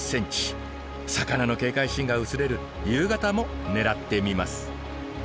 魚の警戒心が薄れる夕方も狙ってみます。